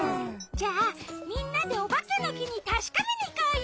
じゃあみんなでおばけのきにたしかめにいこうよ！